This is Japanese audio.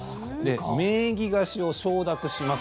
名義貸しを承諾します。